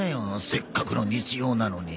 せっかくの日曜なのに。